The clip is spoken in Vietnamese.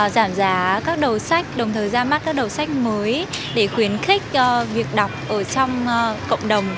giảm giá các đầu sách đồng thời ra mắt các đầu sách mới để khuyến khích việc đọc ở trong cộng đồng